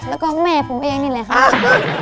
แล้วก็แม่ผมเองนี่แหละครับ